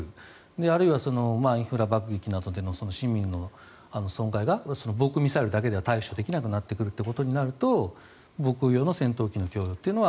あるいは、インフラ爆撃などでの市民の損害が防空ミサイルだけでは対応できなくなってくるとなると防空用の戦闘機の供与というのは